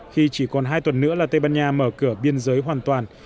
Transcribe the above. khi chỉ còn hai tuần nữa là tây ban nha mở cửa biên giới hoàn toàn